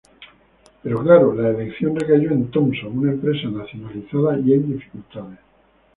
Pero claro, la elección recayó en Thomson, una empresa nacionalizada y en dificultades.